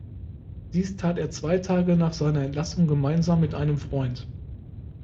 Dies tat er zwei Tage nach seiner Entlassung gemeinsam mit einem Freund.